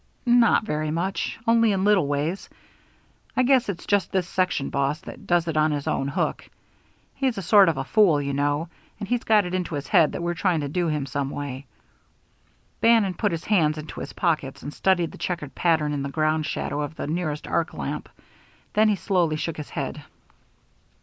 "Not very much, only in little ways. I guess it's just this section boss that does it on his own hook. He's a sort of a fool, you know, and he's got it into his head that we're trying to do him some way." Bannon put his hands into his pockets, and studied the checkered pattern in the ground shadow of the nearest arc lamp. Then he slowly shook his head.